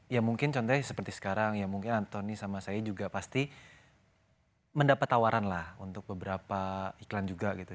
ya mungkin contohnya seperti sekarang ya mungkin antoni sama saya juga pasti mendapat tawaran lah untuk beberapa iklan juga gitu